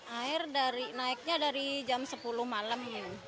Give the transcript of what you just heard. air naiknya dari jam sepuluh malam